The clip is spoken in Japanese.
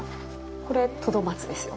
これトドマツですよ。